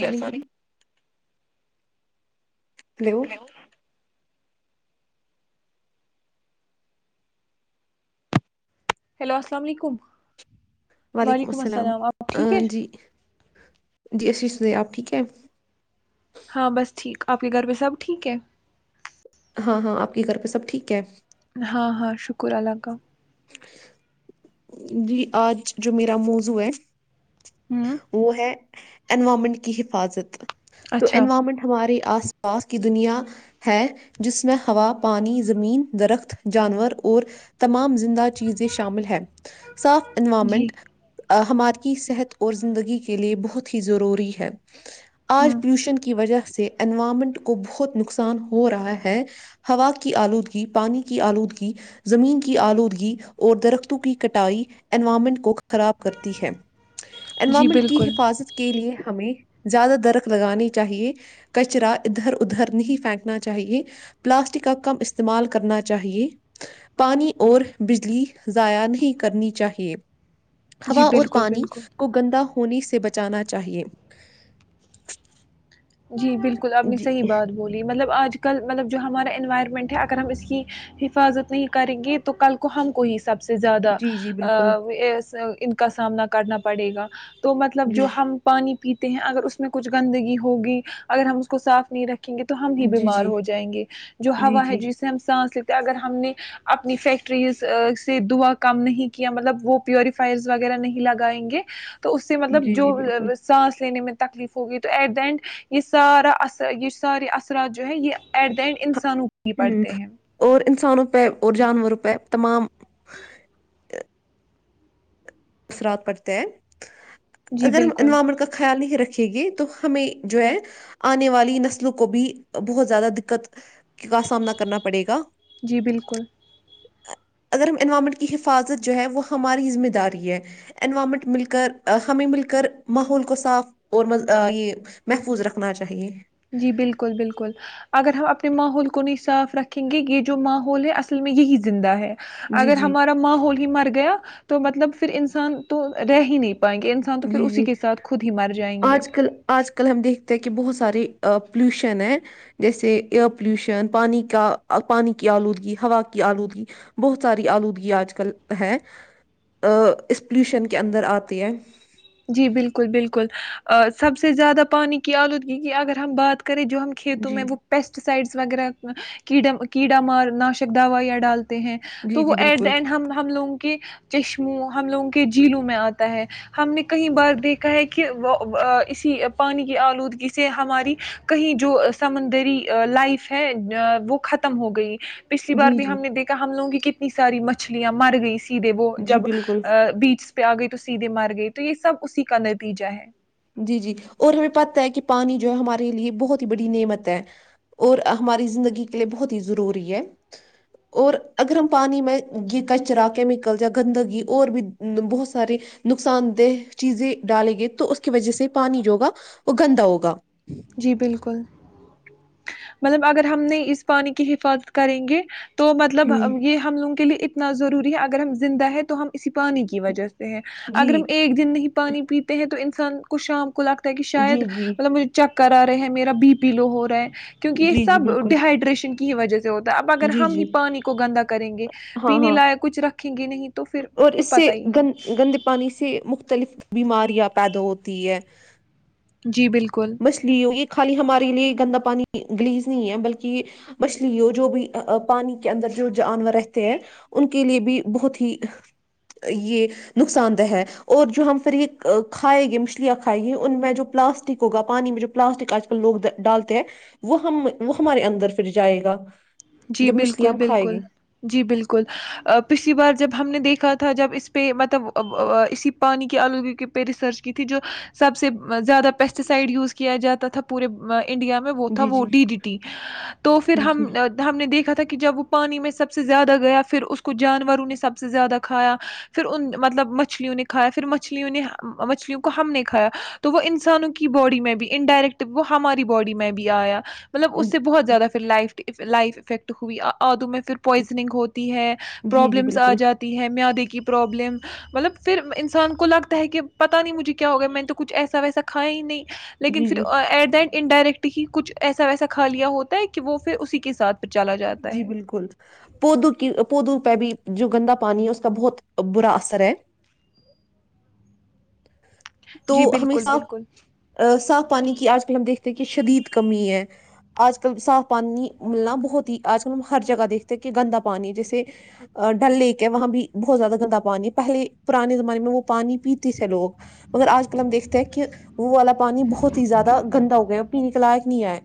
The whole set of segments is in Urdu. اللام علیکم [unintelligible] ہیلو ہیلو السلام علیکم وعلیکم السلام آپ ٹھیک ہے جی جی اشری س د آپ ٹھیک ہے [unintelligible] ہاں بس ٹھیک آپ کے گھر پہ سب ٹھیک ہے ہاں ہاں آپ کے گھر پہ سب ٹھیک ہے ہاں ہاں شکر اللہ کا جی آج جو میرا موضوع ہے ہوں وہ ہے اونوارمینٹ کی حفاظت تو اچھا انوائرمنٹ ہماراری آس پاس کی دنیا ہے جس میں ہوا پانی زمین درخت جانور اور تمام زندہ چیزیں شامل ہے صاف جی انوائرمنٹ ہمارے کی صحت اور زندگی کے لئے بہت ہی ضروری ہے آج ہوں پولوشن کی وجہ سے انوائرمنٹ کو بہت نقصان ہو رہا ہے ہوا کی آلودگی پانی کی آلودگی زمین کی آلودگی اور درختوں کی کٹائی انوائرمنٹ کو خراب کرتی ہے جی انوائرمنٹ کی بالکل حفاظت کے لیے ہمیں زیادہ درخ لگانی چاہیے کچرا ادھر ادھر نہیں پھینکنا چاہیے پلاسٹک کا کم استعمال کرنا چاہیے پانی اور بجلی ضاائیا نہیں کرنی چاہیے جی ہوا اور بالکل پانی بالکل کو گندا ہونے سے بچانا چاہیے جی بالکل اب نے جی صحی بات بولی مطلب آج کل مطلب جو ہمارا انوائرمنٹ ہے اگر ہم ا اس کی حفاظت نہیں کریں گے تو کل کو ہم کو ہی سب سے زیادہ جی جی بالکل ان کا سامنا کرنا پڑے گا تو مطلب جو جی ہم پانی پیتے ہیں اگر اس میں کچھ گندگی ہوگی اگر ہم اس کو صاف نہیں رکھے یں گے تو ہم ہی جی بیمار جی ہو جائیں گے جو جی ہوا ہے جی جس سے ہم سانس ل اگر ہم نے اپنی فیکٹریز سے دعا کام نہیں کیا مطلب وہ پیوریفائر وغیرہ نہیں لگائیں گے تو اس سے مطلب جی جو جی بالکل سانس لینے میں تکلیف ہوگئی تو ایٹ دا اینڈ یہ سارا اثر یہ سارے اثرات جو ہے یہ ایٹ دا اینڈ انسانوں کو ہی ہ پڑتے ہیں اور انسانوں پہ اور جانور پہ تمام اثرات پڑتے ہیں جی اگر ہم بالکل انوائرمنٹ کا خیال نہیں رکھے دیں گے تو ہمیں جو ہے آنے والی نسلوں کو بھی بہت زیادہ دقت کا سامنا کرنا پڑے گا جی بالکل اگرم انوائرمنٹ کی حفاظت جو ہے وہ ہماری ذمہ داری ہے انوائرمنٹ مل کر ہمیں مل کر ماحول کو صاف اور یہ محفوظ رکھنا چاہیے جی بالکل بالکل اگر ہم اپنے ماحول کو نہیں صاف رکھیں گے یہ جو ماحول ہے اصل میں یہی زندہ ہے جی اگر جی ہمارا ماں ہوول مر گیا تو مطلب پھر انسان تو رہ ہی نہیں پ پائیں گے انسان تو پھر جی اسی جی کے ساتھ خود ہی مر جائیں گے آج کل آج کل ہم دیکھتے کہ بہت سارے پلیوشن ہے جیسے ایئر پولوشن پانی کا پانی کی آلودگی ہوا کی آلودگی بہت ساری آلودگی آج کل ہے اس پلیوشن کے اندر آتی ہے جی بالکل بالکل سب سے زیادہ پانی کی آلودگی کی اگر ہم بات کریں جو ہم کھیتوں جی میں وہ پیسٹ سائڈس وغیرہ کیڈا کییڑا مار ناشک دوایاں ڈالتے ہیں جی تو وہ جی ایٹ دا بالکل اینڈ ہم ہم لوگوں کو کے چشموں ہم لوگوں کے جیلوں میں آتا ہے ہم نے کئی بار دیکھا ہے کہ وہ اسی پانی کی آلودگی سے ہماری کہیں جو سمندری لائف ہے وہ ختم ہو گئی پچھلی بار جی بھی جی ہم نے دیکا ہم لگوں کی کتنی ساری مچھلں مر گئی دے وہ جی جب بالکل بیچ پ آ گئے تو سیدھے مار گئے تو یہ سب اسی کا نتیجہ ہے جی جی اور ہمیں پتتا ہے کہ پانی جو ہے ہمارے لیے بہت ہی بڑی نعمت ہے اور ہماری زندگی کے لیے بہت ہی ضروری ہے اور اگر ہم پانی میں یہ کچرا کیمیکل یا گندگی اور بھی بہت سارے نقصان دہ چیزیں ڈالیں گے تو کی وجہ سے پانی جو ہوگا وہ گندا ہوگا جی بالکل مطلب اگر ہم نے اس پانی کی حفاظت کریں گے تو مطلب ہوں یہ ہم لگ کے لیے انا ضروری ہے اگر ہم زندہ ہیں تو ہم اس پانی کی وجہ سے ہے جی اگر ہم ایک دن نہیں پانی پیتے ہیں تو ان سے ن کشام لگتا ہے کہ جی شاید جی مطلب م چکرا رہے ہیں میرا بی پی لو ہو رہا ہے کیونکہ یہ جی جی سب بالکل ڈہائیڈریشن کی وجہ سے ہوتا ہے اب اگر جی ہم ہی جی پانی کو گندا کریں گے ہاں پینے ہاں لائق کچھ رکھیں گے نہیں تو پھر اور تو اس سے پتا ہی ہے گند گندے پانی سے مختلف بیماریاں پیدا ہوتی ہے جی بالکل مچھلیوں یہ خالی ہمارے لیے گندا پانی گلیز نہیں ہے بلکہ مچھلی ہو جو بھی پانی کے اندر جو جانور رہتے ہیں ان کے لیے بھی بہت ہی یہ نقصان دہ ہے اور جو ہم پھر یہ کھائےیں گے مچھلیاں کھائےیں گی ان میں جو پلاسٹک ہوگا پانی میں جو پلاسٹک آج کل لوگ ڈالتے ہیں وہ ہم وہ ہمارے اندر پھر جائے گا جی جب مچھلیاں بالکل ہم کھائیں بالکل گے جی بالکل پچھلی بار جب ہم نے دیکھا تھا جب اس پہ مطلب اسی پانی کی آلودگی پہ ریسرچ کی تھی جو سب سے زیادہ پیسٹی سائڈ یوز کیا جاتا تھا پورے انڈیا میں وہ تھا جی وہ جی ڈی ڈیٹی تو پھر جی ہم ہم نے دیکھا تھا کہ جب وہ پانی میں سب سے زیادہ گیا پھر اس کو جانوروں نے سب سے زیادہ کھایا پھر ان مطلب مچھلیوں نے کھایا پھر مچھلیوں نے مچھلیوں کو ہم نے کھایا تو وہ انسانوں کی باڈی میں بھی انڈائریکٹ وہ ہماری باڈی میں بھی آیا مطلب جی اس سے بہت زیادہ پھر لائف لائف افیکٹ ہوئی ادو میں پھر پوائزنگ ہوتی ہے جی جی پروابلمس آ بالکل جاتی ہے میں دیکھی کی پرابلم مطلب پھر انسان کو لگتا ہے کہ پتا نہیں مجھے کیا ہوگیا میں نے تو کچھ ایسا ویسا کھایا ہی نہیں لیکن جی پھر جی ایٹ دٹ انڈائریکٹ ہی کچھ ایسا ویسا کھا لیا ہوتا ہے کہ وہ پھر اسی کے ساتھ پھر چلا جاتا جی ہے بالکل پودو کی پودو پہ بھی جو گندا پانی ہے اس کا بہت برا اثر ہے تو جی ہمیں بالکل بالکل صاف صاف پانی کی آج کل ہم دیکھ کہ شدید کمی ہے آج کل صاف پانی ملنا بہت ہی آج کل ہم ہر جگہ دیکھتے کہ گندا پانی جیسے ڈل لیک ہے وہاں بھی بہت زیادہ گندا پانی پہلے پرانے زمانے میں وہ پانی پیتے تھے لوگ مگر آج کل ہم دیکھتے ہیں کہ وہ والا پانی بہت ہی زیادہ گندا ہو گیا ہے اور پینے کے لائق نہیں آئے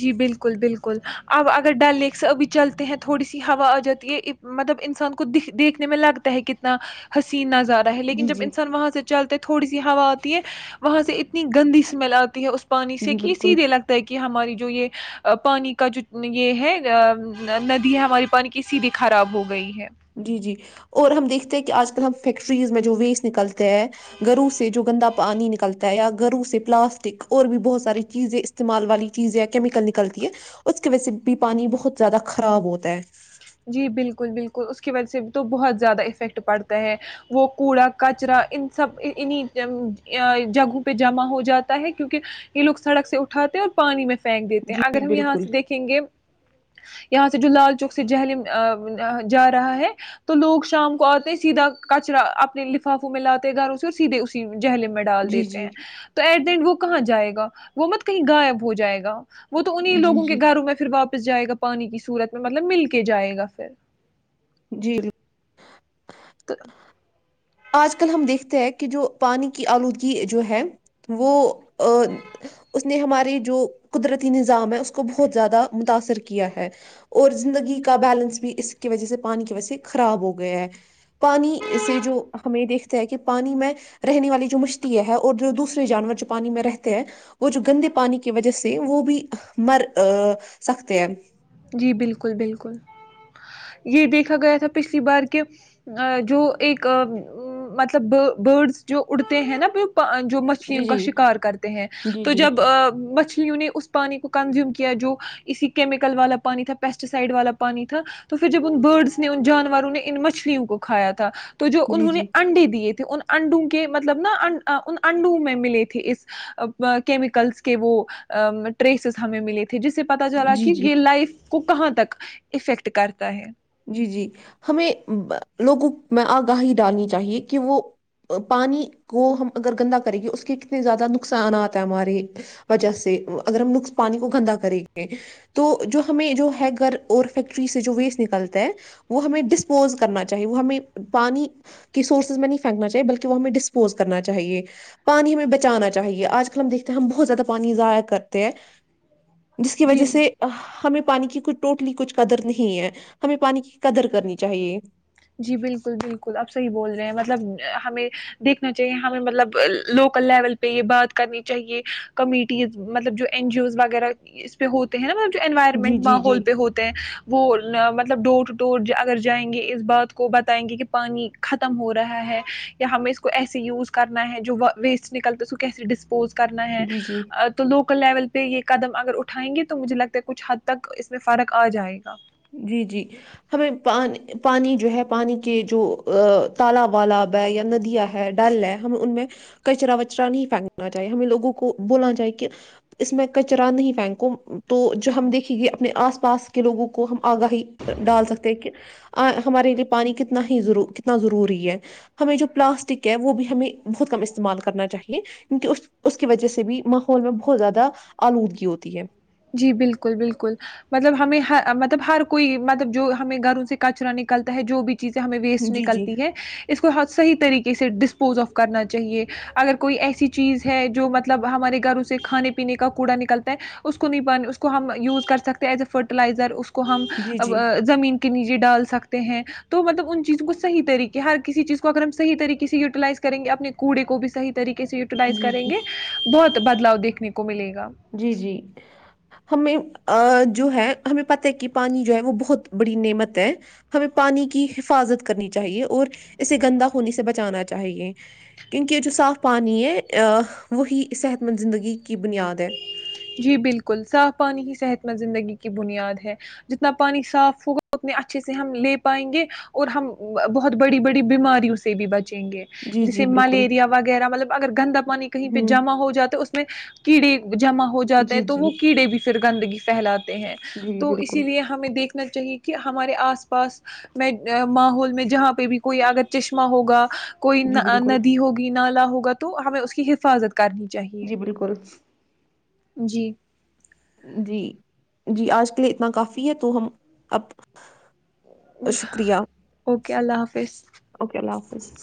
جی بالکل بالکل ال اب اگر ڈل لیک سے ابھی چلتے ہیں تھوڑی سی ہوا آ جاتی ہے مطلب انسان کو د دیکھنے میں لگتا ہے کتنا ہسین یادہ ہے لیکن جی جب جی انسان وہاں سے چلتے تھوڑی سی ہوا آتی ہے وہاں سے اتنی گندی اسمیل آتی ہے اس پ پانی سے جی کہ بالکل سیدھے لگتا ہے کہ ہماری جو یہ پانی کا جو یہ ہے ا ندی ہے ہماری پانی کی سیدھی خراب ہو گئی ہے جی جی اور ہم دیکھتے ہیں کہ آج کل ہم فیکٹریز میں جو ویسٹ نکلتے ہیں گرو سے جو گندا پانی نکلتا ہے یا گرو سے پلاسٹک اور بھی بہت ساری چیزیں استعمال والی چیزیں یا کیمیکل نکلتی ہے اس کی وجہ سے بھی پانی بہت زیادہ خراب ہوتا ہے جی بالکل بالکل اس کی وجہ سے تو بہت زیادہ افیکٹ پڑتا ہے وہ کوڑا کچرا ان سب انہیں جگہوں پہ جمع ہو جاتا ہے کیوںکہ یہ لوگ سڑک سے اٹھاتے ہیں اور پانی میں پھینک دیتے ہیں جی اگر ہم یہاں بالکل سے دیکھیں گے یہاں سے جو لال چوک ج جا رہا ہے تو لوگ شام کو آتے سیدھا کچرا اپنے لفافوں میں لاتے گھروں سے اور سیدھے اسی جہل میں ڈال جی دیتے جی ہیں تو ایٹ دا اینڈ وہ کہاں جائے گا وہ مت کہیں غائب ہو جائے گا وہ تو انہیں جی لووں کے جی گھروں میں پھر واپ جائے گا پانی کی صورت میں مطلب مل کے کے جائے گا پھر جی پ آج کل ہم دیکھتے ہیں کہ جو پانی کی آلودگی جو ہے وہ اس نے ہمارے جو قدرتی نظام ہے اس کو بہت زیادہ متاثر کیا ہے اور زندگی کا بیلنس بھی اس کی وجہ سے پانی کی وجہ سے خراب ہو گیا ہے پانی سے جو ہمیں یہ دیکھتے ہے کہ پانی میں رہنے والی جو مشتی ہے ہے اور جو دوسرے جانور جو پانی میں رہتے ہیں وہ جو گندے پانی کی وجہ سے وہ بھی مر سکتے ہیں جی بالکل بالکل یہ دیکھا گیا تھا پچھلی بار کہ جو ایک مطلب برڈس جو اڑتے ہیں نا جی مچھلوں کا جی شکار کرتے ہیں جی تو جی جب مچھلیوں نے اس پانی کو کنزیوم کیا جو اسی کیمیکل والا پانی تھا پیسٹیسائڈ والا پانی تھا تو پھر جب ان برڈس نے ان جانوروں نے ان مچھلیوں کو کھایا تھا تو جو جی انہوں نے جی انڈے دیے تھے ان انڈو کے مطلب نا ان انڈو میں ملے تھے اس کیمیکلس کے وہ ٹریسز ہمیں ملے تھے جسے پتا چلا جی کہ جی یہ لائف کو کہاں تک افیکٹ کرتا ہے جی جی ہمیں لوگوں میں آگاہی ڈالنی چاہیے کہ وہ پانی کو ہم اگر گندا کریں گے اس کے کتنے زیادہ نقصانات ہیں ہمارے وجہ سے اگر ہم پانی کو گندا کریں گے تو جو ہمیں جو ہے گھر اور فیکٹری سے جو ویسٹ نکلتے وہ ہمیں ڈسپوز کرنا چاہیے وہ ہمیں پانی کی سورسز میں نہیں پھینکنا چاہیے بلکہ وہ ہمیں ڈسپوز کرنا چاہیے پانی ہمیں بچانا چاہیے آج کل ہم دیکھتے ہیں ہم بہت زیادہ پانی ضائع کرتے ہیں جس کی وجہ جی سے ہمیں پانی کی کوئی ٹوٹلی کچھ قدر نہیں ہے ہمیں پانی کی قدر کرنی چاہیے جی بالکل بالکل اب صحیح بول رہے ہیں مطلب ہمیں دیکھنا چاہیے ہمیں مطلب لوکل لیول پہ یہ بات کرنی چاہیے کمیٹیز مطلب جو این جی اوز وغیرہ اس پہ ہوتے ہیں نا جی انوائرمنٹ جی جی ماحول پہ ہوتے ہیں وہ مطلب ڈور ٹو ڈور اگر جائیں گے اس بات کو بتائیں گے کہ پانی ختم ہو رہا ہے یا ہمیں اس کو ایسے یوز کرنا ہے جو ویسٹ نکلتا ہے اس کو کیسے ڈسپوز کرنا ہے جی جی تو لوکل لیول پہ یہ قدم اگر اٹھائیں گے تو مجھے لگتا ہے کچھ حد تک اس میں فرق آ جائے گا جی جی ہمیں پ پانی جو ہے پانی کے جو تال والال ہے یا ندیاں ہے ڈل ہے ہمیں ان میں کچرا وچرا نہیں پھینکنا چاہیے ہمیں لوگوں کو بولنا چاہیے کہ اس میں کچرا نہیں پھینکو تو جو ہم دیکھیں گے اپنے آس پاس کے لوگوں کو کو ہم آگاہی ڈال سکتے ہیں کہ ہمارے لیے پانی کتنا ہی کتنا ضروری ہے ہمیں جو پلاسٹک ہے وہ بھی ہمیں بہت کم استعمال کرنا چاہیے کیونہ اس اس کی وجہ سے بھی ماحول میں بہت زیادہ آلودگی ہوتی ہے جی بالکل بالکل مطلب ہمیں ہ مطلب ہر کوئی مطلب جو ہمیں گھروں سے کچرا نکلتا ہے جو بھی چیزیں ہمیں ویسٹ جی جی نکلتی ہے اس کو حت صحی طریقے سے ڈسپوز آف کرنا چاہیے اگر کوئی ایسی چیز ہے جو مطلب ہمارے گھروں سے کھانے پینے کا کوڑا نکلتا ہے اس کو نہیں پانی اس کو ہم یوز کر سکتے ایز اے فرٹیلائزر اس کو ہم جی جی زمین کے نیچے ڈال سکتے ہیں تو مطلب ان چیزوں کو صح طریقے ہر کسی چیز کو اگر ہم صح طریقے سے یٹیلائز کریں گے اپنے کوڑے کو بھی صح طریقے سے یوٹی لائز جی کریں جی گے بہت بدلاؤ دیکنے کو ملے گا جی جی ہمیں جو ہے ہمیں پت ہے کہ پانی جو ہے وہ بہت بڑی نعمت ہے ہمیں پانی کی حفاظت کرنی چاہیے اور اسے گندا ہونے سے بچانا چاہیے کیونکہ یہ جو صاف پانی ہے وہی صحت مند زندگی کی بنیاد ہے جی بالکل صاف پانی ہی صحت مند زندگی کی بنیاد ہے جتنا پانی صاف ہوگا اتنے اچھے سے ہم لے پائیں گے اور ہم بہت بڑی بڑی بیماریوں سے بھی بچ یں گے جی جی جیسے بالکل ملیریا وغیرہ مطلب اگر گندا پانی کہیں پہ ہوں جمع ہو جاتا تو اس کیڑے ج ہو جا ہیں جی تو جی وہ کیڑے بھی ر گندگی پھیلاات ہیں جی تو اسی بالکل لیے ہمیں دیکھ نا چاہیے کہ ہمارے آس پاس میں ماحول میں جہاں پہ بھی کوئی اگر چشمہ ہوگا کوئی جی ن بالکل ندی ہوگی نا ہوگا تو ہمیں اس کی حفاظت کر کرنی چاہیے جی بالکل جی جی جی آج کے لیے اتنا کافی ہے تو ہم اب شکریہ اوکے اللہ حافظ اوکے اللہ حافظ